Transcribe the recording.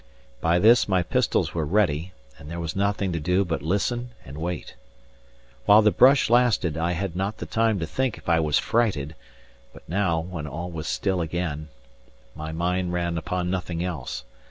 By this, my pistols were ready, and there was nothing to do but listen and wait. While the brush lasted, I had not the time to think if I was frighted; but now, when all was still again, my mind ran upon nothing else.